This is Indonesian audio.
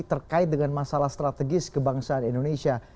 terkait dengan masalah strategis kebangsaan indonesia